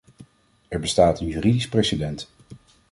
Er bestaat een juridisch precedent.